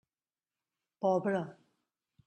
Pobre!